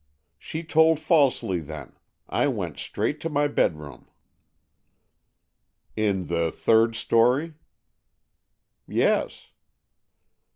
"She told falsely, then. I went straight to my bedroom." "In the third story?" "Yes."